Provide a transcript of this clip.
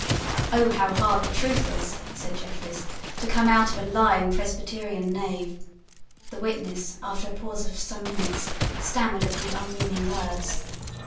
"Oh how hard the truth is," said Jeffreys, "to come out of a lying Presbyterian knave." The witness, after a pause of some minutes, stammered a few unmeaning words.